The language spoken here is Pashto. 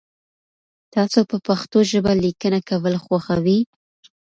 تاسو په پښتو ژبه لیکنه کول خوښوئ؟